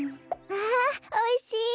ああおいしい！